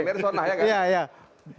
emerson lah ya kan